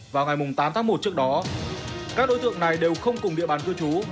vào ngày tám tháng một trước đó các đối tượng này đều không cùng địa bàn cư trú